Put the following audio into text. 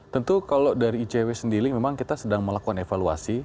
tentu kalau dari icw sendiri memang kita sedang melakukan evaluasi